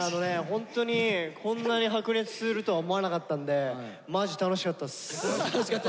ホントにこんなに白熱するとは思わなかったんで楽しかったですか。